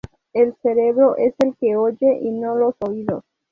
El cerebro es el que oye, y no los oídos.